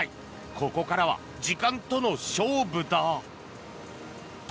ここからは時間との勝負だ。